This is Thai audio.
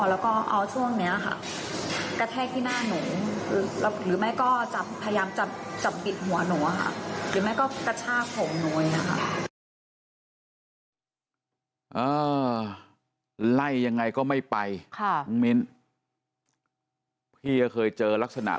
แล้วก็เอาช่วงนี้ค่ะกระแทกที่หน้าหนูหรือไม่ก็พยายามจับปิดหัวหนูค่ะ